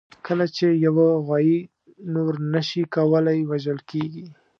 کله چې یوه غویي نور نه شي کولای، وژل کېږي.